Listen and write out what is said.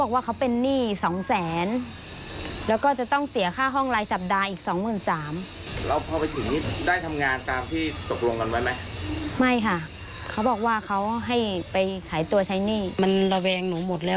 ยิ่งน่ากลัวมากเลยเป็นพวกบาร์เรนนะฮะ